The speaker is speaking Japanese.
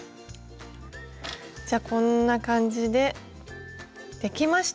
じゃこんな感じでできました！